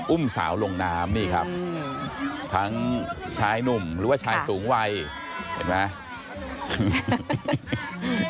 อุ้มสาวลงน้ำนี่ครับทั้งชายหนุ่มหรือว่าชายสูงวัยเห็นไหม